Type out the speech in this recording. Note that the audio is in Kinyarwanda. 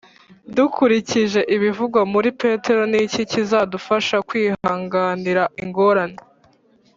Dukurikije ibivugwa muri Petero ni iki kizadufasha kwihanganira ingorane